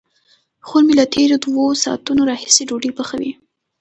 خور مې له تېرو دوو ساعتونو راهیسې ډوډۍ پخوي.